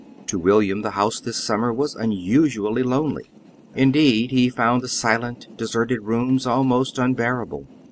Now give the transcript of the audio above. To William the house this summer was unusually lonely; indeed, he found the silent, deserted rooms almost unbearable.